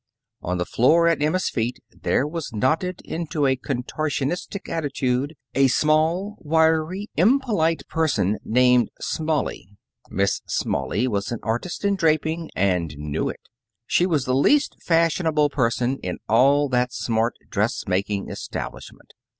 On the floor at Emma's feet there was knotted into a contortionistic attitude a small, wiry, impolite person named Smalley. Miss Smalley was an artist in draping and knew it. She was the least fashionable person in all that smart dressmaking establishment.